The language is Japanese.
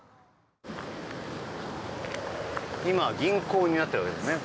今、銀行になってるんですね。